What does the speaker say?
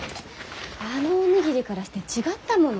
あのお握りからして違ったもの。